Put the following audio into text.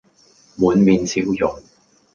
滿面笑容，